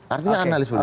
artinya analis boleh